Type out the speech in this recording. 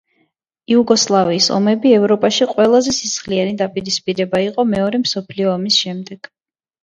იუგოსლავიის ომები ევროპაში ყველაზე სისხლიანი დაპირისპირება იყო მეორე მსოფლიო ომის შემდეგ.